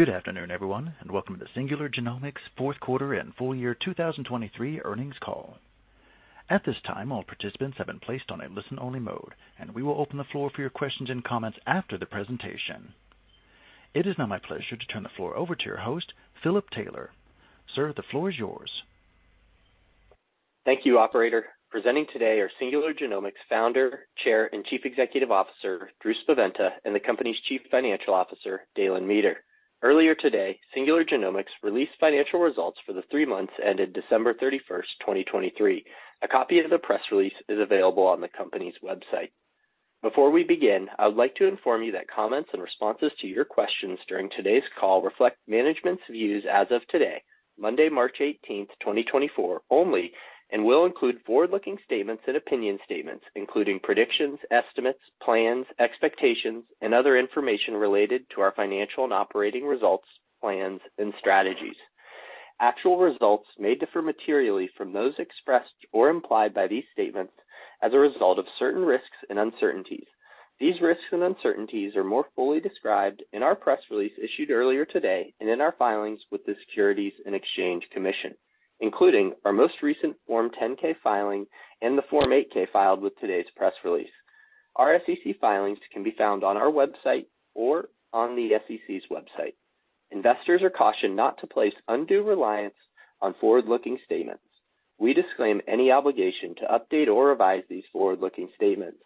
Good afternoon, everyone, and welcome to the Singular Genomics Fourth Quarter and Full Year 2023 Earnings Call. At this time, all participants have been placed on a listen-only mode, and we will open the floor for your questions and comments after the presentation. It is now my pleasure to turn the floor over to your host, Philip Taylor. Sir, the floor is yours. Thank you, operator. Presenting today are Singular Genomics Founder, Chair, and Chief Executive Officer, Drew Spaventa, and the company's Chief Financial Officer, Dalen Meeter. Earlier today, Singular Genomics released financial results for the three months ended December 31, 2023. A copy of the press release is available on the company's website. Before we begin, I would like to inform you that comments and responses to your questions during today's call reflect management's views as of today, Monday, March 18, 2024, only, and will include forward-looking statements and opinion statements, including predictions, estimates, plans, expectations, and other information related to our financial and operating results, plans, and strategies. Actual results may differ materially from those expressed or implied by these statements as a result of certain risks and uncertainties. These risks and uncertainties are more fully described in our press release issued earlier today and in our filings with the Securities and Exchange Commission, including our most recent Form 10-K filing and the Form 8-K filed with today's press release. Our SEC filings can be found on our website or on the SEC's website. Investors are cautioned not to place undue reliance on forward-looking statements. We disclaim any obligation to update or revise these forward-looking statements.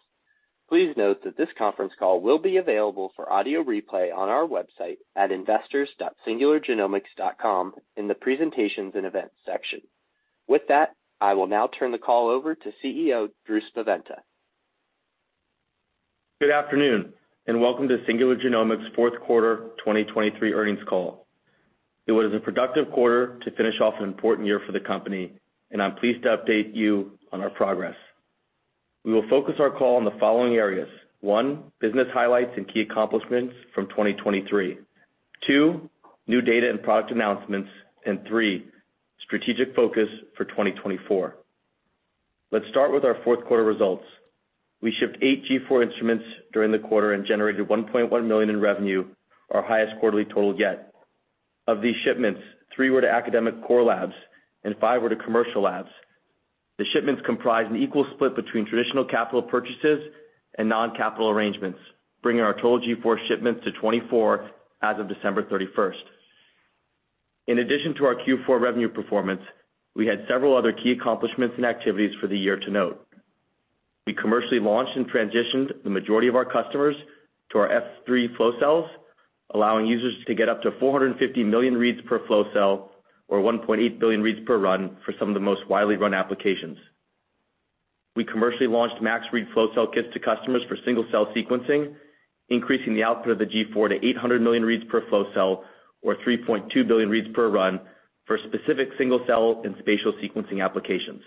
Please note that this conference call will be available for audio replay on our website at investors.singulargenomics.com in the Presentations and Events section. With that, I will now turn the call over to CEO, Drew Spaventa. Good afternoon, and welcome to Singular Genomics Fourth Quarter 2023 Earnings Call. It was a productive quarter to finish off an important year for the company, and I'm pleased to update you on our progress. We will focus our call on the following areas, one, business highlights and key accomplishments from 2023. Two, new data and product announcements. And three, strategic focus for 2024. Let's start with our fourth quarter results. We shipped eight G4 instruments during the quarter and generated $1.1 million in revenue, our highest quarterly total yet. Of these shipments, three were to academic core labs and five were to commercial labs. The shipments comprised an equal split between traditional capital purchases and non-capital arrangements, bringing our total G4 shipments to 24 as of December 31. In addition to our Q4 revenue performance, we had several other key accomplishments and activities for the year to note. We commercially launched and transitioned the majority of our customers to our S3 flow cell, allowing users to get up to 450 million reads per flow cell, or 1.8 billion reads per run for some of the most widely run applications. We commercially launched Max Read flow cell kits to customers for single-cell sequencing, increasing the output of the G4 to 800 million reads per flow cell, or 3.2 billion reads per run for specific single-cell and spatial sequencing applications.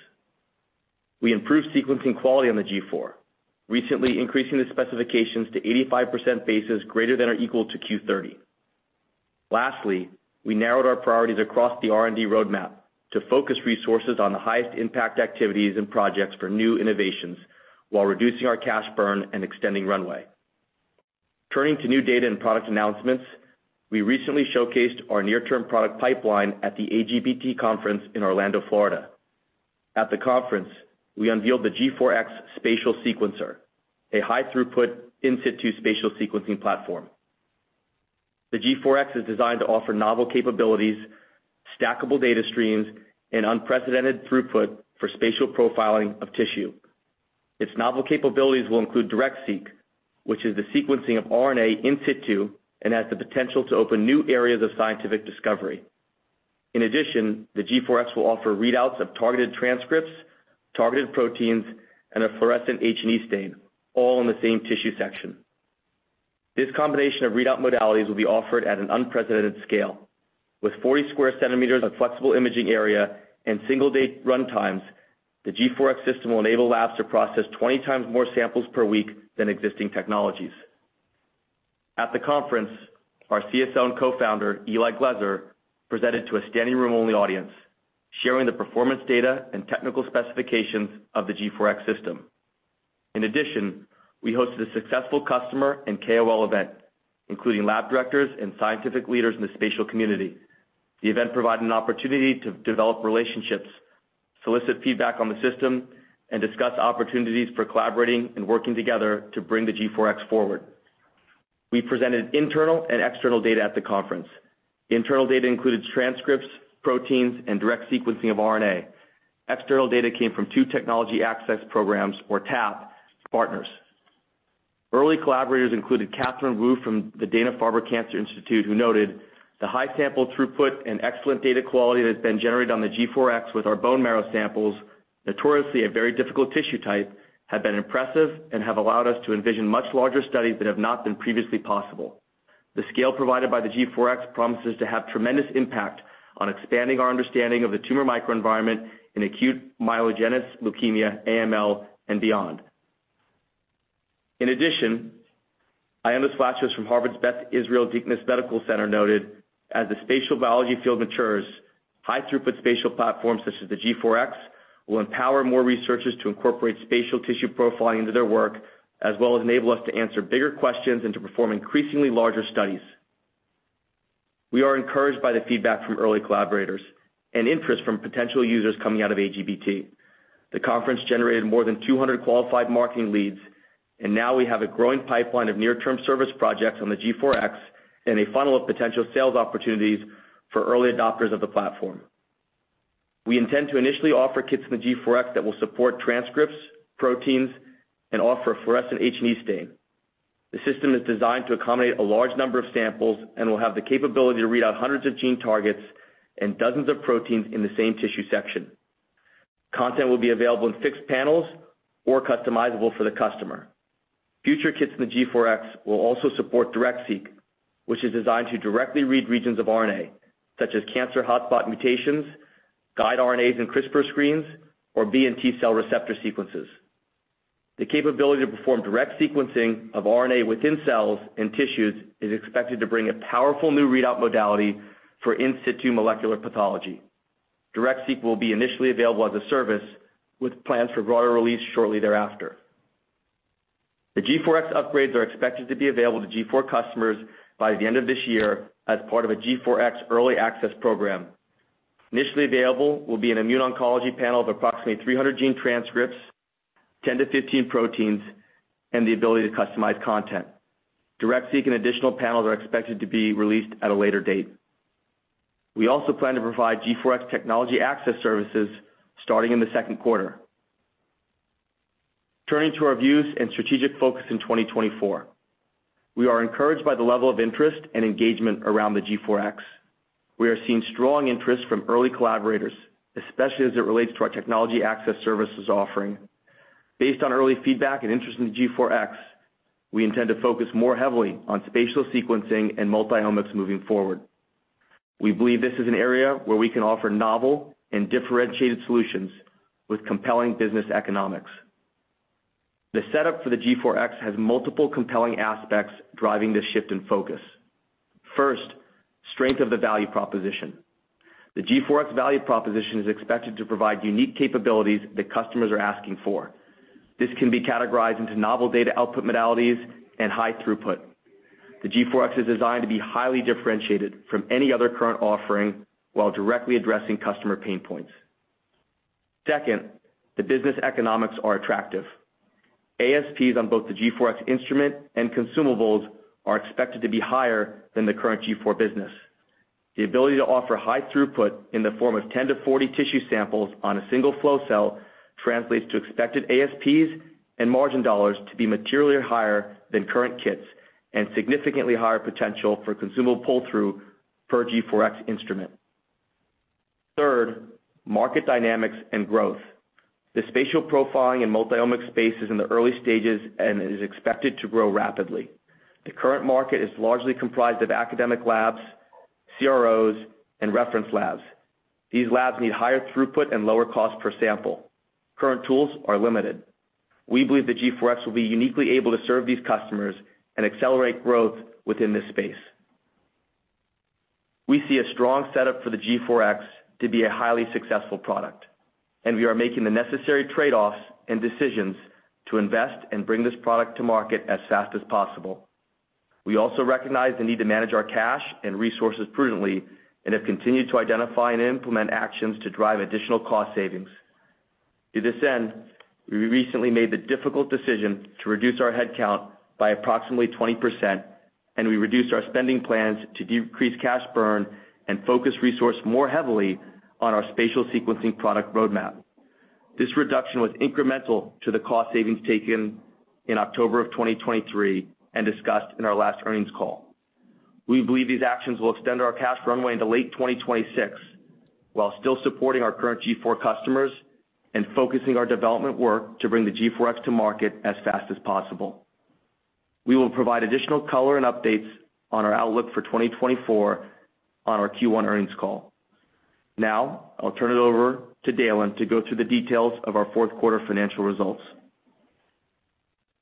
We improved sequencing quality on the G4, recently increasing the specifications to 85% bases greater than or equal to Q30. Lastly, we narrowed our priorities across the R&D roadmap to focus resources on the highest impact activities and projects for new innovations while reducing our cash burn and extending runway. Turning to new data and product announcements, we recently showcased our near-term product pipeline at the AGBT conference in Orlando, Florida. At the conference, we unveiled the G4X Spatial Sequencer, a high-throughput in situ spatial sequencing platform. The G4X is designed to offer novel capabilities, stackable data streams, and unprecedented throughput for spatial profiling of tissue. Its novel capabilities will include Direct-Seq, which is the sequencing of RNA in situ and has the potential to open new areas of scientific discovery. In addition, the G4X will offer readouts of targeted transcripts, targeted proteins, and a fluorescent H&E stain, all in the same tissue section. This combination of readout modalities will be offered at an unprecedented scale. With 40 square centimeters of flexible imaging area and single-day runtimes, the G4X system will enable labs to process 20× more samples per week than existing technologies. At the conference, our CSO and co-founder, Eli Glezer, presented to a standing room only audience, sharing the performance data and technical specifications of the G4X system. In addition, we hosted a successful customer and KOL event, including lab directors and scientific leaders in the spatial community. The event provided an opportunity to develop relationships, solicit feedback on the system, and discuss opportunities for collaborating and working together to bring the G4X forward. We presented internal and external data at the conference. Internal data included transcripts, proteins, and direct sequencing of RNA. External data came from two Technology Access Programs, or TAP, partners. Early collaborators included Catherine Wu from the Dana-Farber Cancer Institute, who noted, the high sample throughput and excellent data quality that has been generated on the G4X with our bone marrow samples, notoriously a very difficult tissue type, have been impressive and have allowed us to envision much larger studies that have not been previously possible. The scale provided by the G4X promises to have tremendous impact on expanding our understanding of the tumor microenvironment in acute myelogenous leukemia, AML, and beyond. In addition, Ioannis Vlachos from Harvard's Beth Israel Deaconess Medical Center noted, as the spatial biology field matures, high-throughput spatial platforms such as the G4X will empower more researchers to incorporate spatial tissue profiling into their work, as well as enable us to answer bigger questions and to perform increasingly larger studies. We are encouraged by the feedback from early collaborators and interest from potential users coming out of AGBT. The conference generated more than 200 qualified marketing leads, and now we have a growing pipeline of near-term service projects on the G4X and a funnel of potential sales opportunities for early adopters of the platform. We intend to initially offer kits in the G4X that will support transcripts, proteins, and offer a fluorescent H&E stain. The system is designed to accommodate a large number of samples and will have the capability to read out hundreds of gene targets and dozens of proteins in the same tissue section. Content will be available in fixed panels or customizable for the customer. Future kits in the G4X will also support Direct-Seq, which is designed to directly read regions of RNA, such as cancer hotspot mutations, guide RNAs and CRISPR screens, or B and T cell receptor sequences. The capability to perform direct sequencing of RNA within cells and tissues is expected to bring a powerful new readout modality for in situ molecular pathology. Direct-Seq will be initially available as a service, with plans for broader release shortly thereafter. The G4X upgrades are expected to be available to G4 customers by the end of this year as part of a G4X Early Access Program. Initially available will be an immuno-oncology panel of approximately 300 gene transcripts, 10-15 proteins, and the ability to customize content. Direct-Seq and additional panels are expected to be released at a later date. We also plan to provide G4X Technology Access Services starting in the second quarter. Turning to our views and strategic focus in 2024. We are encouraged by the level of interest and engagement around the G4X. We are seeing strong interest from early collaborators, especially as it relates to our Technology Access Services offering. Based on early feedback and interest in the G4X, we intend to focus more heavily on spatial sequencing and multi-omics moving forward. We believe this is an area where we can offer novel and differentiated solutions with compelling business economics. The setup for the G4X has multiple compelling aspects driving this shift in focus. First, strength of the value proposition. The G4X value proposition is expected to provide unique capabilities that customers are asking for. This can be categorized into novel data output modalities and high throughput. The G4X is designed to be highly differentiated from any other current offering, while directly addressing customer pain points. Second, the business economics are attractive. ASPs on both the G4X instrument and consumables are expected to be higher than the current G4 business. The ability to offer high throughput in the form of 10-40 tissue samples on a single flow cell translates to expected ASPs and margin dollars to be materially higher than current kits and significantly higher potential for consumable pull-through per G4X instrument. Third, market dynamics and growth. The spatial profiling and multi-omics space is in the early stages and is expected to grow rapidly. The current market is largely comprised of academic labs, CROs, and reference labs. These labs need higher throughput and lower cost per sample. Current tools are limited. We believe the G4X will be uniquely able to serve these customers and accelerate growth within this space. We see a strong setup for the G4X to be a highly successful product, and we are making the necessary trade-offs and decisions to invest and bring this product to market as fast as possible. We also recognize the need to manage our cash and resources prudently and have continued to identify and implement actions to drive additional cost savings. To this end, we recently made the difficult decision to reduce our headcount by approximately 20%, and we reduced our spending plans to decrease cash burn and focus resource more heavily on our spatial sequencing product roadmap. This reduction was incremental to the cost savings taken in October of 2023 and discussed in our last earnings call. We believe these actions will extend our cash runway into late 2026, while still supporting our current G4 customers and focusing our development work to bring the G4X to market as fast as possible. We will provide additional color and updates on our outlook for 2024 on our Q1 earnings call. Now I'll turn it over to Dalen to go through the details of our fourth quarter financial results.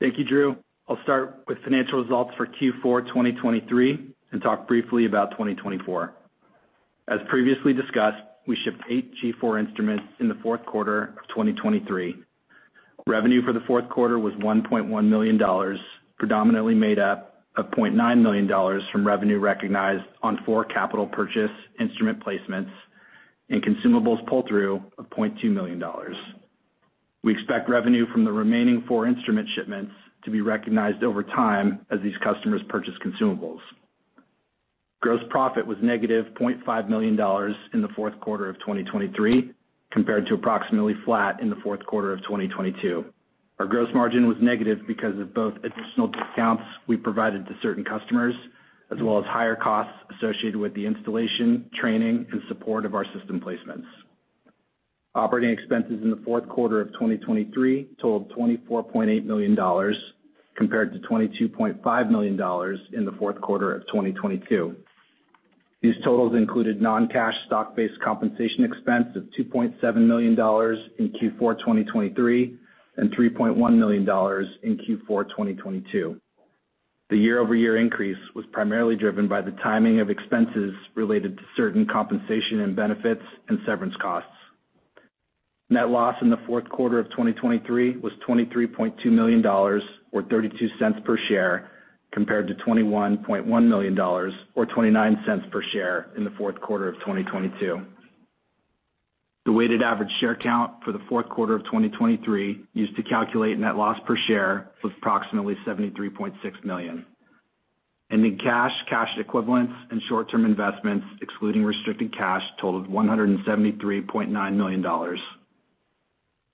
Thank you, Drew. I'll start with financial results for Q4 2023 and talk briefly about 2024. As previously discussed, we shipped eight G4 instruments in the fourth quarter of 2023. Revenue for the fourth quarter was $1.1 million, predominantly made up of $0.9 million from revenue recognized on four capital purchase instrument placements and consumables pull-through of $0.2 million. We expect revenue from the remaining four instrument shipments to be recognized over time as these customers purchase consumables. Gross profit was -$0.5 million in the fourth quarter of 2023, compared to approximately flat in the fourth quarter of 2022. Our gross margin was negative because of both additional discounts we provided to certain customers, as well as higher costs associated with the installation, training, and support of our system placements. Operating expenses in the fourth quarter of 2023 totaled $24.8 million, compared to $22.5 million in the fourth quarter of 2022. These totals included non-cash stock-based compensation expense of $2.7 million in Q4 2023, and $3.1 million in Q4 2022. The year-over-year increase was primarily driven by the timing of expenses related to certain compensation and benefits and severance costs. Net loss in the fourth quarter of 2023 was $23.2 million or $0.32 per share, compared to $21.1 million or $0.29 per share in the fourth quarter of 2022. The weighted average share count for the fourth quarter of 2023, used to calculate net loss per share, was approximately 73.6 million. Ending cash, cash equivalents, and short-term investments, excluding restricted cash, totaled $173.9 million.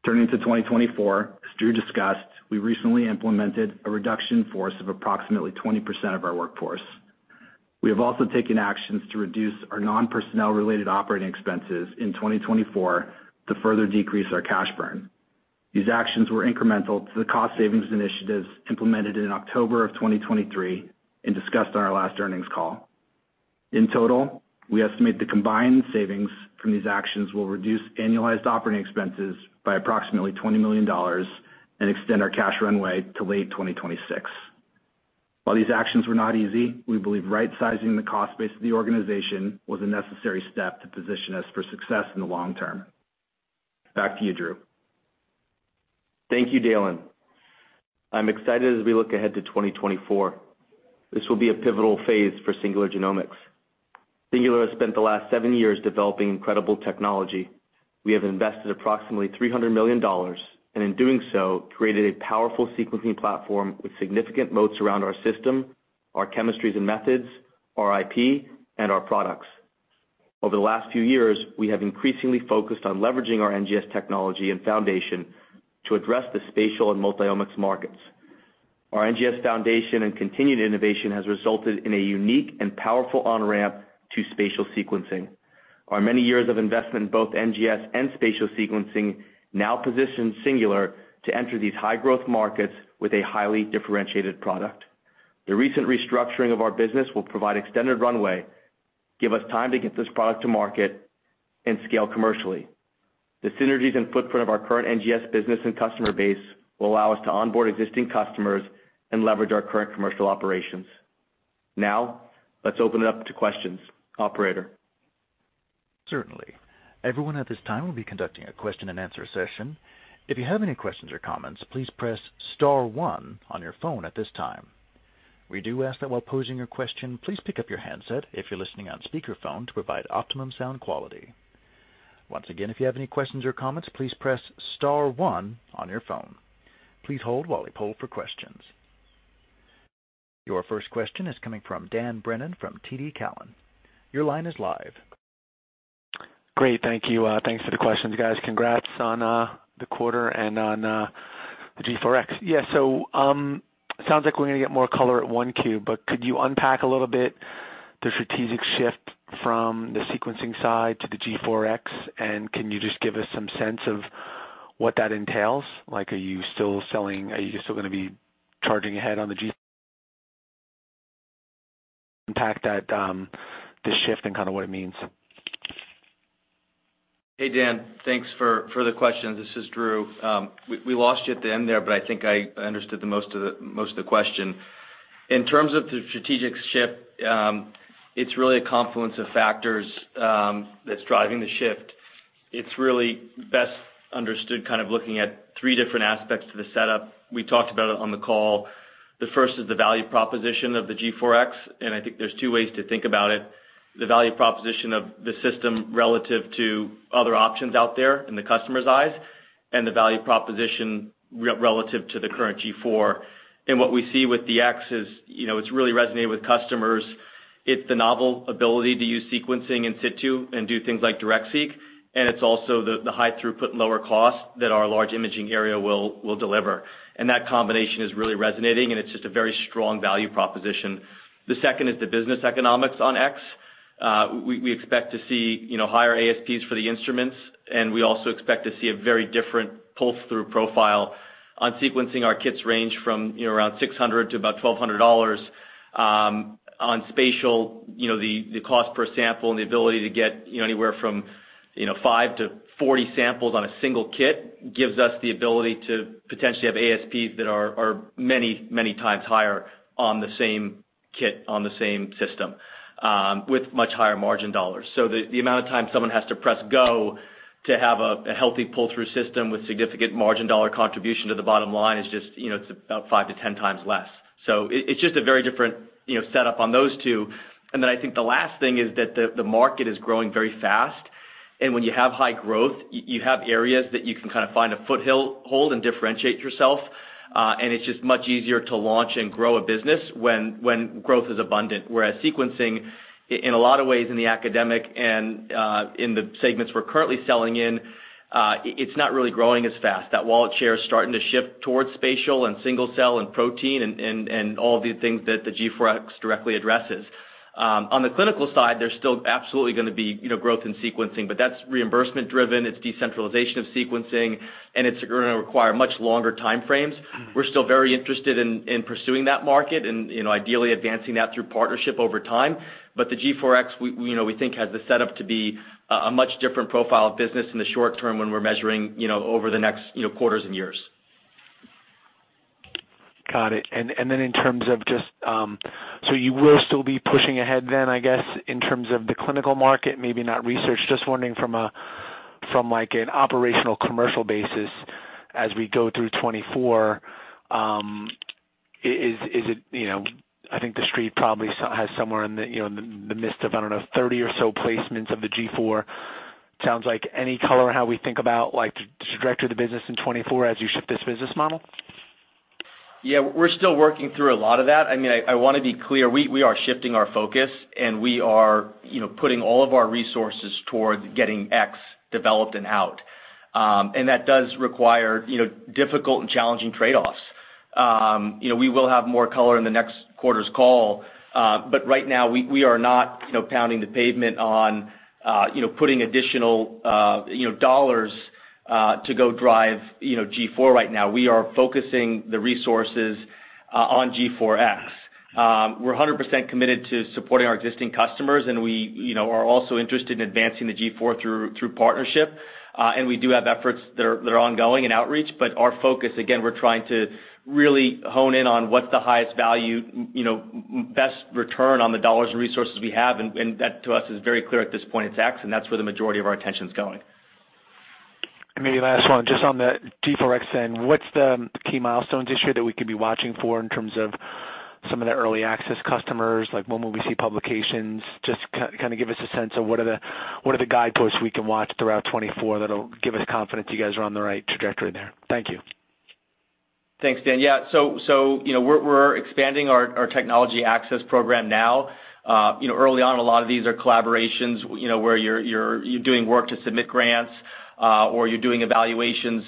Turning to 2024, as Drew discussed, we recently implemented a reduction in force of approximately 20% of our workforce. We have also taken actions to reduce our non-personnel related operating expenses in 2024 to further decrease our cash burn. These actions were incremental to the cost savings initiatives implemented in October of 2023 and discussed on our last earnings call. In total, we estimate the combined savings from these actions will reduce annualized operating expenses by approximately $20 million and extend our cash runway to late 2026. While these actions were not easy, we believe rightsizing the cost base of the organization was a necessary step to position us for success in the long term. Back to you, Drew. Thank you, Dalen. I'm excited as we look ahead to 2024. This will be a pivotal phase for Singular Genomics. Singular has spent the last seven years developing incredible technology. We have invested approximately $300 million, and in doing so, created a powerful sequencing platform with significant moats around our system, our chemistries and methods, our IP, and our products. Over the last few years, we have increasingly focused on leveraging our NGS technology and foundation to address the spatial and multi-omics markets. Our NGS foundation and continued innovation has resulted in a unique and powerful on-ramp to spatial sequencing. Our many years of investment in both NGS and spatial sequencing now position Singular to enter these high-growth markets with a highly differentiated product. The recent restructuring of our business will provide extended runway, give us time to get this product to market, and scale commercially. The synergies and footprint of our current NGS business and customer base will allow us to onboard existing customers and leverage our current commercial operations. Now, let's open it up to questions. Operator? Certainly. Everyone at this time, we'll be conducting a question-and-answer session. If you have any questions or comments, please press star one on your phone at this time. We do ask that while posing your question, please pick up your handset if you're listening on speakerphone, to provide optimum sound quality. Once again, if you have any questions or comments, please press star one on your phone. Please hold while we poll for questions. Your first question is coming from Dan Brennan from TD Cowen. Your line is live. Great, thank you. Thanks for the questions, guys. Congrats on the quarter and on the G4X. Yeah, so sounds like we're going to get more color at Q1, but could you unpack a little bit the strategic shift from the sequencing side to the G4X, and can you just give us some sense of what that entails? Like, are you still selling, are you still going to be charging ahead on G4 impact that the shift and kind of what it means? Hey, Dan, thanks for the question. This is Drew. We lost you at the end there, but I think I understood most of the question. In terms of the strategic shift, it's really a confluence of factors that's driving the shift. It's really best understood, kind of looking at three different aspects to the setup. We talked about it on the call. The first is the value proposition of the G4X, and I think there's two ways to think about it: the value proposition of the system relative to other options out there in the customer's eyes, and the value proposition relative to the current G4. And what we see with the X is, you know, it's really resonating with customers. It's the novel ability to use sequencing in situ and do things like Direct-Seq, and it's also the high throughput and lower cost that our large imaging area will deliver. And that combination is really resonating, and it's just a very strong value proposition. The second is the business economics on X. We expect to see, you know, higher ASPs for the instruments, and we also expect to see a very different pull-through profile. On sequencing, our kits range from, you know, around $600 to about $1,200, on spatial, you know, the, the cost per sample and the ability to get, you know, anywhere from, you know, five to 40 samples on a single kit, gives us the ability to potentially have ASPs that are, are many, many times higher on the same kit, on the same system, with much higher margin dollars. So the, the amount of time someone has to press go to have a, a healthy pull-through system with significant margin dollar contribution to the bottom line is just, you know, it's about five to 10× times less. So it's just a very different, you know, setup on those two. And then I think the last thing is that the market is growing very fast, and when you have high growth, you have areas that you can kind of find a foothold and differentiate yourself, and it's just much easier to launch and grow a business when growth is abundant. Whereas sequencing, in a lot of ways, in the academic and in the segments we're currently selling in, it's not really growing as fast. That wallet share is starting to shift towards spatial and single cell and protein and all of these things that the G4X directly addresses. On the clinical side, there's still absolutely going to be, you know, growth in sequencing, but that's reimbursement driven, it's decentralization of sequencing, and it's going to require much longer time frames. We're still very interested in pursuing that market and, you know, ideally advancing that through partnership over time. But the G4X, you know, we think has the setup to be a much different profile of business in the short term when we're measuring, you know, over the next, you know, quarters and years. Got it. And then in terms of just so you will still be pushing ahead then, I guess, in terms of the clinical market, maybe not research? Just wondering from like an operational commercial basis as we go through 2024, is it, you know, I think the street probably has somewhere in the, you know, the midst of, I don't know, 30 or so placements of the G4. Sounds like any color on how we think about, like, the trajectory of the business in 2024 as you ship this business model? Yeah, we're still working through a lot of that. I mean, I wanna be clear, we are shifting our focus, and we are, you know, putting all of our resources towards getting G4X developed and out. And that does require, you know, difficult and challenging trade-offs. You know, we will have more color in the next quarter's call, but right now, we are not, you know, pounding the pavement on, you know, putting additional, you know, dollars to go drive, you know, G4 right now. We are focusing the resources on G4X. We're 100% committed to supporting our existing customers, and we, you know, are also interested in advancing the G4 through partnership, and we do have efforts that are ongoing in outreach. But our focus, again, we're trying to really hone in on what's the highest value, you know, best return on the dollars and resources we have, and, and that to us is very clear at this point, it's X, and that's where the majority of our attention's going. Maybe last one, just on the G4X then, what's the key milestones this year that we could be watching for in terms of some of the early access customers, like when will we see publications? Just kinda give us a sense of what are the, what are the guideposts we can watch throughout 2024 that'll give us confidence you guys are on the right trajectory there. Thank you. Thanks, Dan. Yeah, so, you know, we're expanding our Technology Access Program now. You know, early on, a lot of these are collaborations, you know, where you're doing work to submit grants, or you're doing evaluations,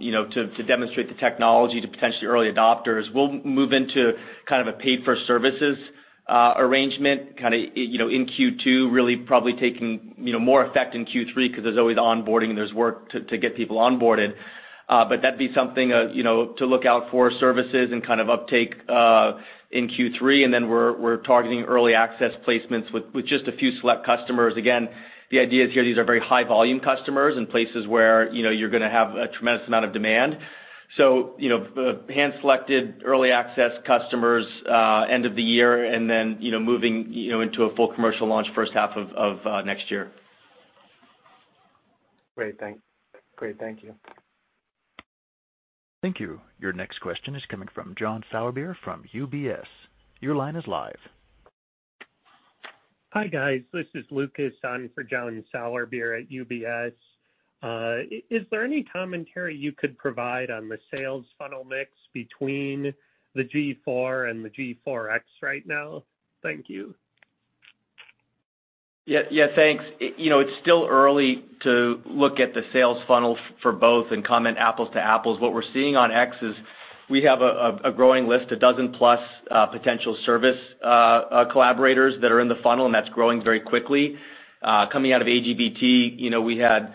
you know, to demonstrate the technology to potentially early adopters. We'll move into kind of a paid-for-services arrangement, kinda, you know, in Q2, really probably taking, you know, more effect in Q3, 'cause there's always onboarding, there's work to get people onboarded. But that'd be something, you know, to look out for, services and kind of uptake in Q3, and then we're targeting early access placements with just a few select customers. Again, the idea is here, these are very high-volume customers in places where, you know, you're gonna have a tremendous amount of demand. You know, hand-selected early access customers end of the year, and then, you know, moving, you know, into a full commercial launch first half of next year. Great. Thank you. Thank you. Your next question is coming from John Sourbeer from UBS. Your line is live. Hi, guys. This is Lucas on for John Sourbeer at UBS. Is there any commentary you could provide on the sales funnel mix between the G4 and the G4X right now? Thank you. Yeah, yeah, thanks. You know, it's still early to look at the sales funnel for both and comment apples to apples. What we're seeing on X is we have a growing list, 12+, potential service collaborators that are in the funnel, and that's growing very quickly. Coming out of AGBT, you know, we had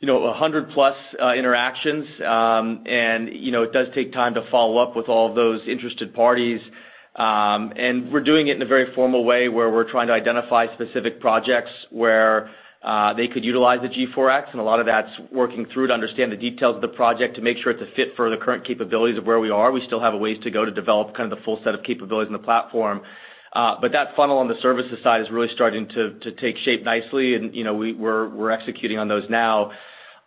you know 100+ interactions, and you know it does take time to follow up with all of those interested parties. And we're doing it in a very formal way, where we're trying to identify specific projects where they could utilize the G4X, and a lot of that's working through to understand the details of the project, to make sure it's a fit for the current capabilities of where we are. We still have a ways to go to develop kind of the full set of capabilities in the platform. But that funnel on the services side is really starting to take shape nicely, and, you know, we're executing on those now.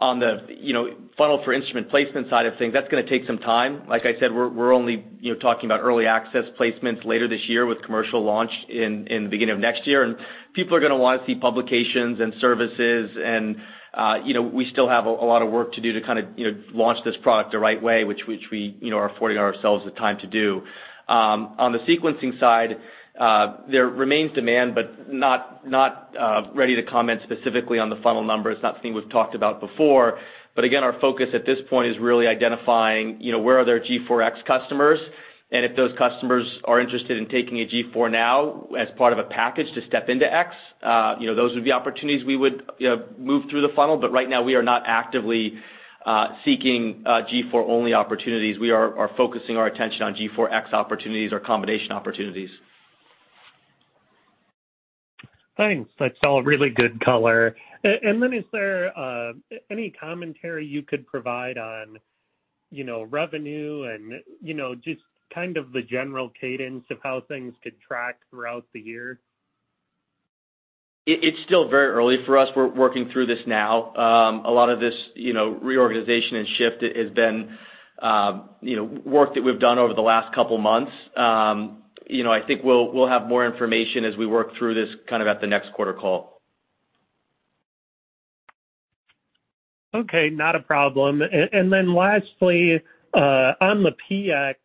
On the, you know, funnel for instrument placement side of things, that's gonna take some time. Like I said, we're only, you know, talking about early access placements later this year with commercial launch in the beginning of next year. And people are gonna wanna see publications and services, and, you know, we still have a lot of work to do to kind of, you know, launch this product the right way, which we, you know, are affording ourselves the time to do. On the sequencing side, there remains demand, but not ready to comment specifically on the funnel numbers, not something we've talked about before. But again, our focus at this point is really identifying, you know, where are there G4X customers, and if those customers are interested in taking a G4 now as part of a package to step into X, you know, those would be opportunities we would, you know, move through the funnel. But right now, we are not actively seeking G4 only opportunities. We are focusing our attention on G4X opportunities or combination opportunities. Thanks. That's all really good color. And then is there any commentary you could provide on, you know, revenue and, you know, just kind of the general cadence of how things could track throughout the year? It's still very early for us. We're working through this now. A lot of this, you know, reorganization and shift has been, you know, work that we've done over the last couple months. You know, I think we'll have more information as we work through this kind of at the next quarter call. Okay, not a problem. And then lastly, on the PX,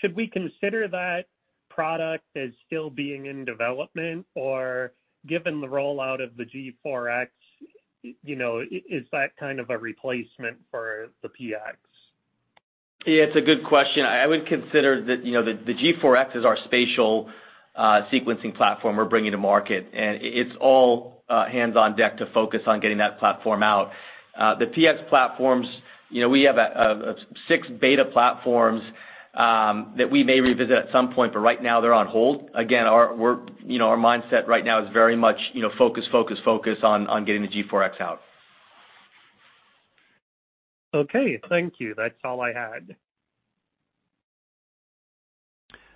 should we consider that product as still being in development, or given the rollout of the G4X, you know, is that kind of a replacement for the PX? Yeah, it's a good question. I would consider that, you know, the, the G4X is our spatial sequencing platform we're bringing to market, and it's all hands on deck to focus on getting that platform out. The PX platforms, you know, we have a six beta platforms that we may revisit at some point, but right now they're on hold. Again, our we're you know, our mindset right now is very much, you know, focus, focus, focus on getting the G4X out. Okay, thank you. That's all I had.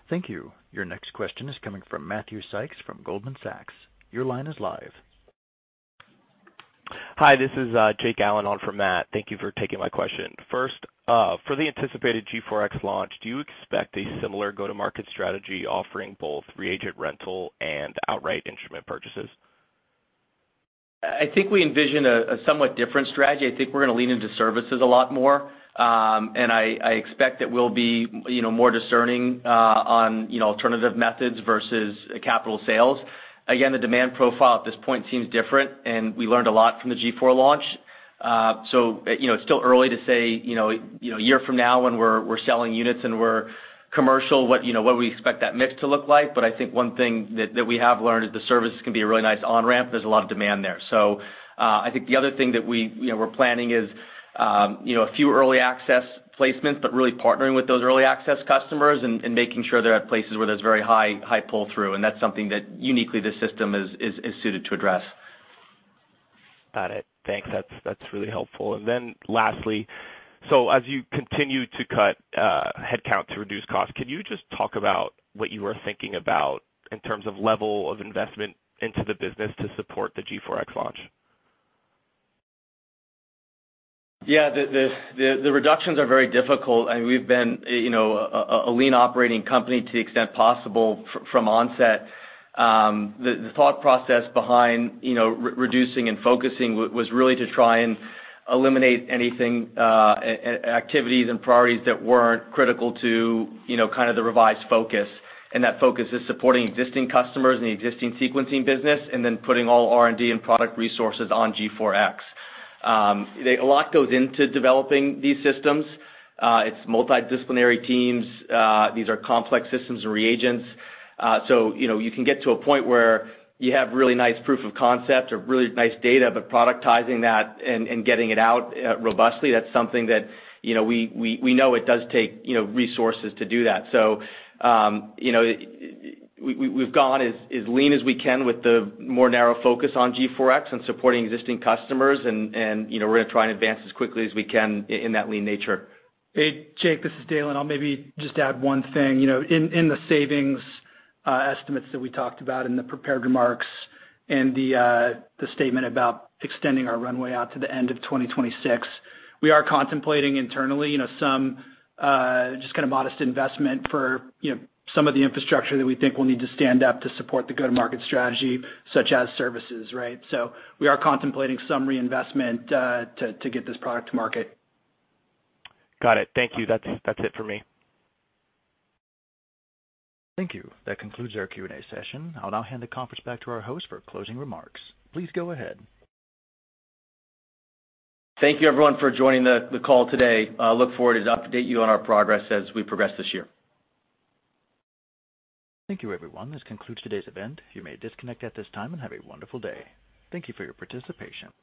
Thank you. Your next question is coming from Matthew Sykes from Goldman Sachs. Your line is live. Hi, this is Jake Allen on for Matt. Thank you for taking my question. First, for the anticipated G4X launch, do you expect a similar go-to-market strategy offering both reagent rental and outright instrument purchases? I think we envision a somewhat different strategy. I think we're gonna lean into services a lot more, and I expect that we'll be, you know, more discerning on, you know, alternative methods versus capital sales. Again, the demand profile at this point seems different, and we learned a lot from the G4 launch. So, you know, it's still early to say, you know, a year from now when we're selling units and we're commercial, what we expect that mix to look like. But I think one thing that we have learned is the services can be a really nice on-ramp. There's a lot of demand there. So, I think the other thing that we, you know, we're planning is, you know, a few early access placements, but really partnering with those early access customers and making sure they're at places where there's very high pull-through, and that's something that uniquely this system is suited to address. Got it. Thanks. That's, that's really helpful. And then lastly, so as you continue to cut headcount to reduce costs, can you just talk about what you are thinking about in terms of level of investment into the business to support the G4X launch? Yeah, the reductions are very difficult, and we've been, you know, a lean operating company to the extent possible from onset. The thought process behind, you know, reducing and focusing was really to try and eliminate anything, activities and priorities that weren't critical to, you know, kind of the revised focus, and that focus is supporting existing customers in the existing sequencing business and then putting all R&D and product resources on G4X. A lot goes into developing these systems. It's multidisciplinary teams. These are complex systems and reagents. So, you know, you can get to a point where you have really nice proof of concept or really nice data, but productizing that and getting it out robustly, that's something that, you know, we know it does take, you know, resources to do that. So, you know, we've gone as lean as we can with the more narrow focus on G4X and supporting existing customers, and, you know, we're gonna try and advance as quickly as we can in that lean nature. Hey, Jake, this is Dalen, and I'll maybe just add one thing. You know, in the savings estimates that we talked about in the prepared remarks and the statement about extending our runway out to the end of 2026, we are contemplating internally, you know, some just kind of modest investment for, you know, some of the infrastructure that we think we'll need to stand up to support the go-to-market strategy, such as services, right? So we are contemplating some reinvestment to get this product to market. Got it. Thank you. That's, that's it for me. Thank you. That concludes our Q&A session. I'll now hand the conference back to our host for closing remarks. Please go ahead. Thank you, everyone, for joining the call today. Look forward to update you on our progress as we progress this year. Thank you, everyone. This concludes today's event. You may disconnect at this time, and have a wonderful day. Thank you for your participation.